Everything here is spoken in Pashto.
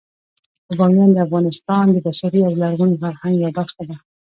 بامیان د افغانستان د بشري او لرغوني فرهنګ یوه برخه ده.